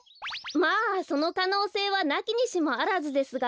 まあそのかのうせいはなきにしもあらずですが。